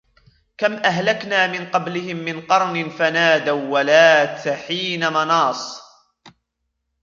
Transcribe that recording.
كَمْ أَهْلَكْنَا مِنْ قَبْلِهِمْ مِنْ قَرْنٍ فَنَادَوْا وَلَاتَ حِينَ مَنَاصٍ